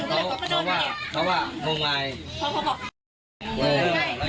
เข้าใจแล้วเข้าใจแล้ว